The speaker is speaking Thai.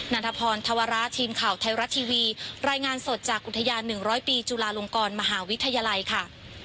ันทพรธวระทีมข่าวไทยรัฐทีวีรายงานสดจากอุทยาน๑๐๐ปีจุลาลงกรมหาวิทยาลัยค่ะ